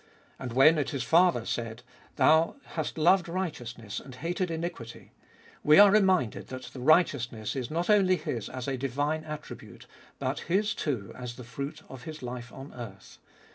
And when it is farther said, Thou hast loved righteousness and hated iniquity, we are reminded that the righteousness is not only His as a divine attribute, but His too as the fruit of His life on earth.